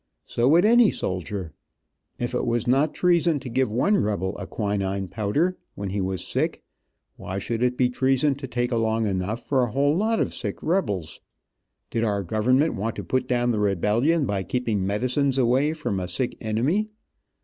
So would any soldier. If it was not treason to give one rebel a quinine powder, when he was sick, why should it be treason to take along enough for a whole lot of sick rebels? Did our government want to put down the rebellion by keeping medicines away from a sick enemy?